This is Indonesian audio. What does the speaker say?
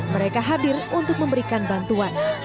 mereka hadir untuk memberikan bantuan